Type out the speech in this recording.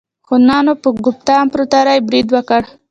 هونانو په ګوپتا امپراتورۍ برید وکړ.